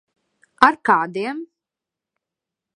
Ar kādiem?